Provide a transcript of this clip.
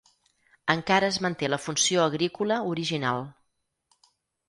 Encara es manté la funció agrícola original.